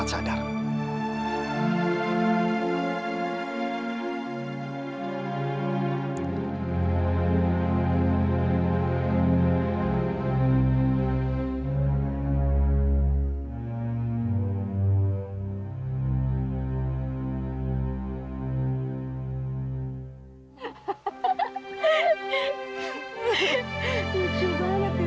tidak mungkin dok